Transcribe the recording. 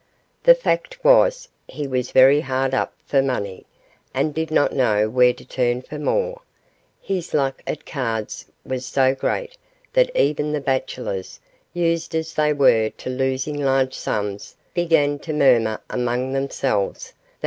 The fact was he was very hard up for money, and did not know where to turn for more. His luck at cards was so great that even the Bachelors, used as they were to losing large sums, began to murmur among themselves that M.